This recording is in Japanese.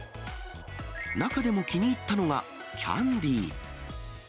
中でも気に入ったのが、キャンディ。